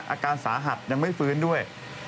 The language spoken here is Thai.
อาการสาหัสยังไม่ฟื้นด้วย